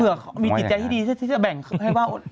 เผื่อเขามีกิจใจที่ดีที่จะแบ่งให้ว่า